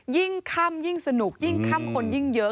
ยิ่งค่ำยิ่งสนุกยิ่งค่ำคนยิ่งเยอะ